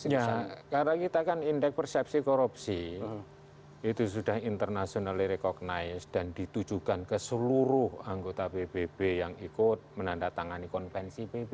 ya karena kita kan indeks persepsi korupsi itu sudah internationally recognized dan ditujukan ke seluruh anggota pbb yang ikut menandatangani konvensi pbb